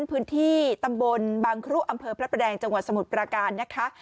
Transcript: พื้นที่ตำบลบางครุอำเภอพระประแดงจังหวัดสมุทรปราการนะคะ